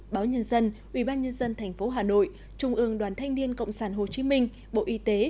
báo nhân dân ubnd tp hà nội trung ương đoàn thanh niên cộng sản hồ chí minh bộ y tế